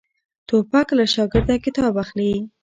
توپک له شاګرده کتاب اخلي.